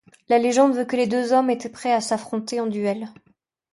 La légende veut que les deux hommes étaient prêt à s'affronter en duel.